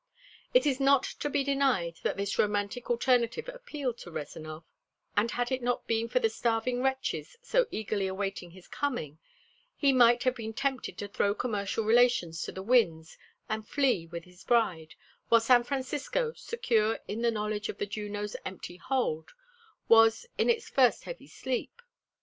It is not to be denied that this romantic alternative appealed to Rezanov, and had it not been for the starving wretches so eagerly awaiting his coming he might have been tempted to throw commercial relations to the winds and flee with his bride while San Francisco, secure in the knowledge of the Juno's empty hold, was in its first heavy sleep.